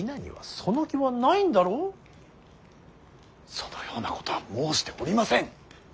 そのようなことは申しておりません。